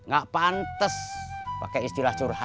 gak pantas pakai istilah curhat